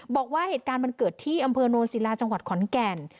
บอกว่าเหตุการณ์มันเกิดที่อำเภอโนนศิลาจังหวัดขอนแก่น